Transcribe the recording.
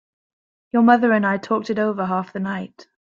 Your mother and I talked it over half the night.